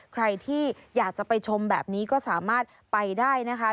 ใครที่อยากจะไปชมแบบนี้ก็สามารถไปได้นะคะ